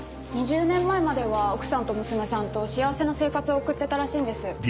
２０年前までは奥さんと娘さんと幸せな生活を送ってたらしいんです。